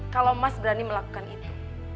kalau mas berani melakukan itu